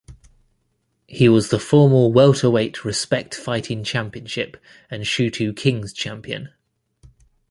He was the formal welterweight Respect Fighting Championship and Shooto Kings champion.